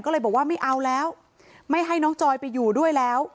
ก็เลยบอกว่าไม่เอาแล้วไม่ให้น้องจอยไปอยู่ด้วยแล้ว